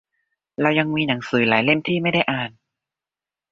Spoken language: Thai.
เรายังมีหนังสือหลายเล่มที่ไม่ได้อ่าน